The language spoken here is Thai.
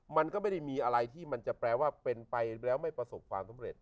มันก็ไม่ได้มีอะไรที่มันจะแปลว่าเป็นไปแล้วไม่ประสบความสำเร็จ